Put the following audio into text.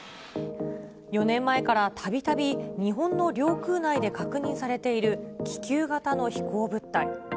４年前からたびたび日本の領空内で確認されている気球型の飛行物体。